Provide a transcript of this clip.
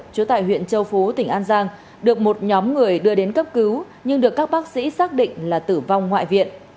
trú tại huyện châu phú tỉnh an giang được một nhóm người đưa đến cấp cứu nhưng được các bác sĩ xác định là tử vong ngoại viện